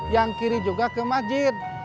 yang kiri juga ke masjid